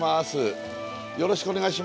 よろしくお願いします。